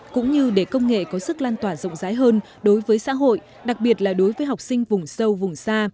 cũng như để công nghệ có sức lan tỏa rộng rãi hơn đối với xã hội đặc biệt là đối với học sinh vùng sâu vùng xa